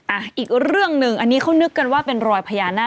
อีกเรื่องหนึ่งอันนี้เขานึกกันว่าเป็นรอยพญานาค